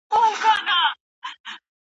اسلام د مشروع ملکیت ملاتړ کوي.